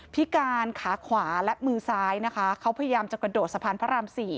พิการขาขวาและมือซ้ายนะคะเขาพยายามจะกระโดดสะพานพระราม๔